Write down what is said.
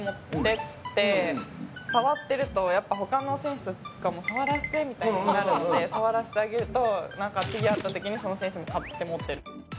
触ってると他の選手たちも触らせてみたいになるので触らせてあげると、次会ったときにその選手も買って、持ってる。